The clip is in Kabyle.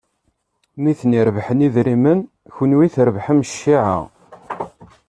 Nitni rebḥen idrimen, kenwi trebḥem cciɛa.